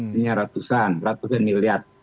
tiga ratusan ratusan miliar